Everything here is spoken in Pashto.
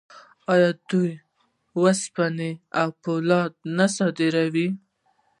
آیا دوی وسپنه او فولاد نه صادروي؟